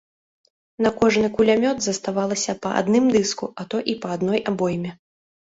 На кожны кулямёт заставалася па адным дыску, а то і па адной абойме.